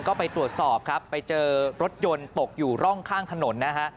ก็ไปตรวจสอบครับไปเจอรถยนต์ตกอยู่ร่องข้างถนนนะฮะ